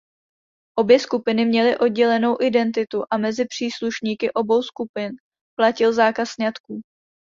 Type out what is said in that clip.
Obě skupiny měly oddělenou identitu a mezi příslušníky obou skupin platil zákaz sňatků.